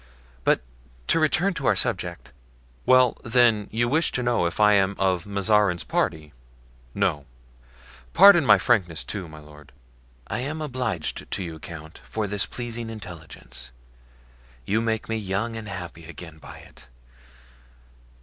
But to return to our subject." "Well, then, you wish to know if I am of Mazarin's party? No. Pardon my frankness, too, my lord." "I am obliged to you, count, for this pleasing intelligence! You make me young and happy again by it.